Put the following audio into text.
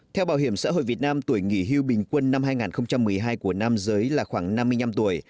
theo bảo hiểm xã hội việt nam tuổi nghỉ hưu bình quân năm hai nghìn một mươi hai của nam giới là khoảng năm mươi năm tuổi